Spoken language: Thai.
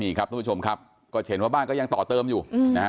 นี่ครับทุกผู้ชมครับก็เห็นว่าบ้านก็ยังต่อเติมอยู่นะฮะ